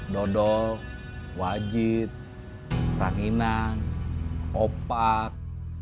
dodol wajit ranginan opak